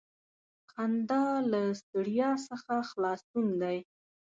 • خندا له ستړیا څخه خلاصون دی.